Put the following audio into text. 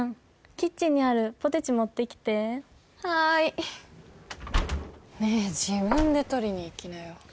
キッチンにあるポテチ持ってきてはーいねえ自分で取りに行きなよ